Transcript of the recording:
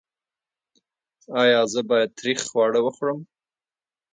ایا زه باید تریخ خواړه وخورم؟